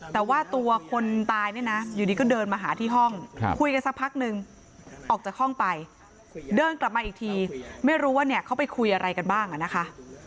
แต่ว่าตัวคนตายเนี่ยนะอยู่ดีก็เดินมาหาที่ห้องคุยกันสักพักนึงออกจากห้องไปเดินกลับมาอีกทีไม่รู้ว่าเนี่ยเขาไปคุยอะไรกันบ้างอ่ะนะคะ